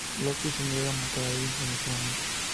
Loki se niega a matar a alguien en ese momento.